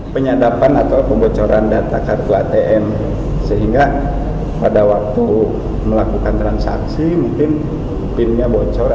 penyadapan atau pembocoran data kartu atm sehingga pada waktu melakukan transaksi mungkin pinnya bocor